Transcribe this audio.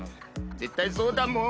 絶対そうだもん。